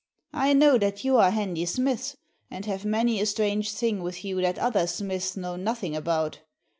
I know that you are handy smiths, and have many a strange thing with you that other smiths know nothing about.